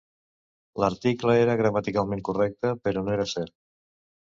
L'article era gramaticalment correcte, però no era cert.